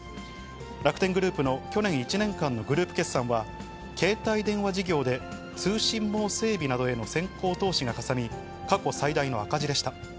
楽天グループの去年１年間のグループ決算は、携帯電話事業で通信網整備などへの先行投資がかさみ、過去最大の赤字でした。